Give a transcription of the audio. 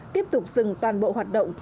tiếp tục dừng toàn bộ hoạt động